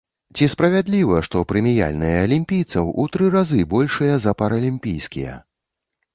Ці справядліва, што прэміяльныя алімпійцаў у тры разы большыя за паралімпійскія?